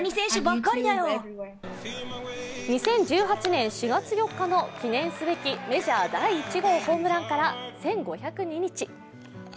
２０１８年４月４日の記念すべきメジャー第１号ホームランから１５０２日